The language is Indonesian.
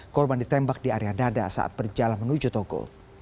korban ditembak di area dada saat berjalan menuju toko